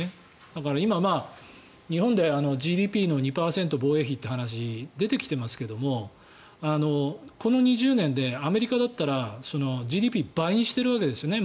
だから今、日本でＧＤＰの２％の防衛費という話が出てきていますがこの２０年でアメリカだったらＧＤＰ、倍にしてるわけですね。